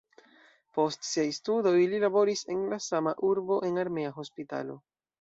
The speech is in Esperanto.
Post siaj studoj li laboris en la sama urbo en armea hospitalo.